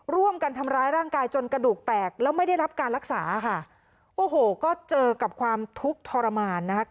ร่วมกันทำร้ายร่างกายจนกระดูกแตกแล้วไม่ได้รับการรักษาค่ะโอ้โหก็เจอกับความทุกข์ทรมานนะคะ